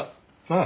ああ。